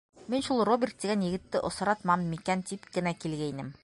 Мин шул Роберт тигән егетте осратмам микән тип кенә килгәйнем.